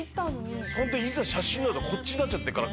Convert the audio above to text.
いざ写真になるとこっちになっちゃってるから。